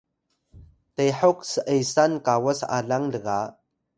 tehok s’esan kawas alang lga